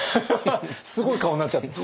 すごい顔になっちゃって。